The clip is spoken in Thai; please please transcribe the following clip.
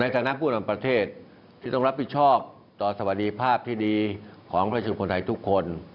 ทุกประเทศที่ต้องรับผิดชอบต่อสวรรค์ภาพที่ดีของประชุนคนไทยทุกคน